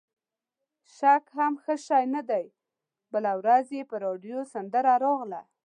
شک هم ښه شی نه دی، بله ورځ یې په راډیو سندره راغله.